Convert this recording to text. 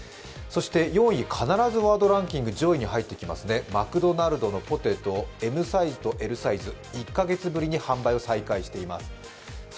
そして４位、必ずワードランキング上位に入ってきますね、マクドナルドのポテト、ＭサイズとＬサイズ、１カ月ぶりに販売を再開しています